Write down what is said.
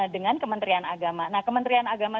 dengan kementerian agama nah kementerian agama